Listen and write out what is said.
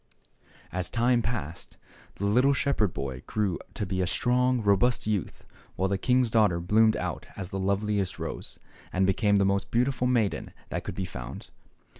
As time passed, the little shepherd boy grew to be a strong, robust youth, while the king's daughter bloomed out as the loveliest rose, and became the most beautiful maiden that could be found.